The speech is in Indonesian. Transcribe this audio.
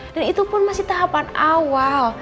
dan itu pun masih tahapan awal